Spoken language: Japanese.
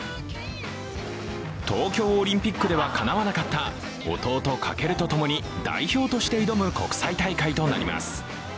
東京オリンピックではかなわなかった弟・翔とともに代表として挑む国際大会となります。